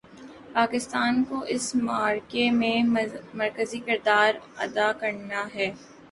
پاکستان کو اس معرکے میں مرکزی کردار ادا کرنا ہے۔